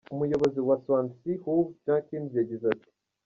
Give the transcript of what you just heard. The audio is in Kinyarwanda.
Umuyobozi wa Swansea Huw Jenkins yagize ati:.